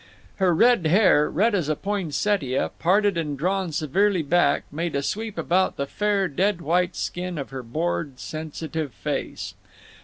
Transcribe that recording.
Her red hair, red as a poinsettia, parted and drawn severely back, made a sweep about the fair dead white skin of her bored sensitive face.